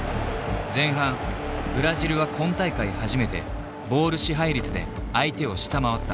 前半ブラジルは今大会初めてボール支配率で相手を下回った。